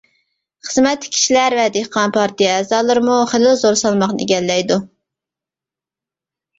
خىزمەتتىكى كىشىلەر ۋە دېھقان پارتىيە ئەزالىرىمۇ خېلىلا زور سالماقنى ئىگىلەيدۇ.